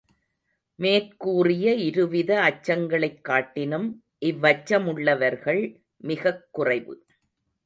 மேற்கூறிய இருவித அச்சங்களைக் காட்டினும் இவ்வச்ச முள்ளவர்கள் மிகக்குறைவு.